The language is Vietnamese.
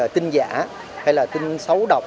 tin giả hay là tin xấu độc